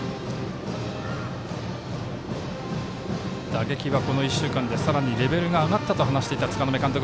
打撃はこの１週間でさらにレベルが上がってきたと話していた柄目監督。